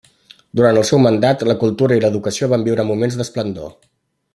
Durant el seu mandat, la cultura i l'educació van viure moments d'esplendor.